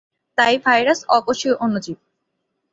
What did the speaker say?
তাই ভাইরাস অকোষীয় অণুজীব।